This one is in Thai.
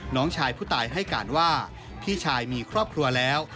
น้องชายผู้ตายให้การว่าพี่ชายมีครอบครัวแล้ว